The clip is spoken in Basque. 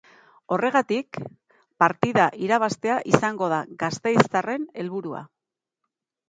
Horregatik, partida irabaztea izango da gasteiztarren helburua.